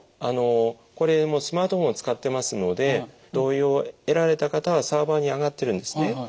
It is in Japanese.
あのこれもうスマートフォン使ってますので同意を得られた方はサーバーにあがってるんですね。